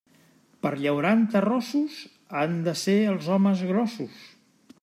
Per llaurar en terrossos, han de ser els homes grossos.